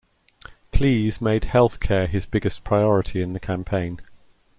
Klees made healthcare his biggest priority in the campaign.